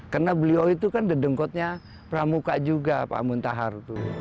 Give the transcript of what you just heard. karena beliau itu kan dedengkotnya pramuka juga pak muntahar